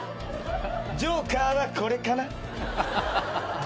ジョーカーはこれか？